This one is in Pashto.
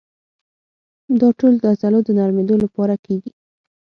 دا ټول د عضلو د نرمېدو لپاره کېږي.